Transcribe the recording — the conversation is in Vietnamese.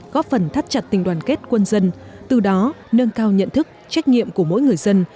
góp phần thắt chặt tình đoàn kết quân dân từ đó nâng cao nhận thức trách nhiệm của mỗi người dân